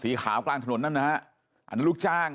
กลางถนนนั่นนะฮะอันนั้นลูกจ้าง